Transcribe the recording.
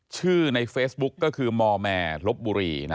ในเฟซบุ๊กก็คือมแมร์ลบบุรี